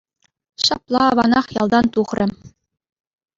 Ҫапла аванах ялтан тухрӗ.